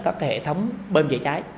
các hệ thống bơm chở cháy